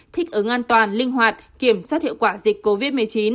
thích ứng an toàn linh hoạt kiểm soát hiệu quả dịch covid một mươi chín